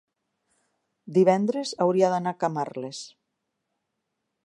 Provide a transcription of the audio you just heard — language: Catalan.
divendres hauria d'anar a Camarles.